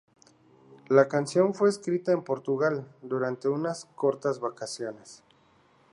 La canción fue escrita en Portugal durante unas cortas vacaciones.